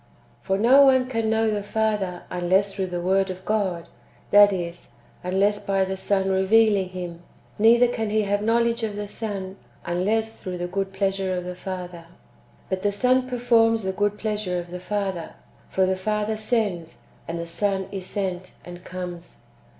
3. For no one can know the Father, unless through the Word of God, that is, unless by the Son revealing [Him] ; neither can he have knowledge of the Son, unless thrononli the good pleasure of the Father. But the Son performs the good pleasure of the Father ; for the Father sends, and the Son is sent, and comes.